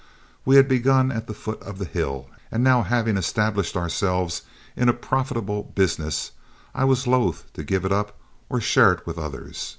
We had begun at the foot of the hill, and now having established ourselves in a profitable business, I was loath to give it up or share it with others.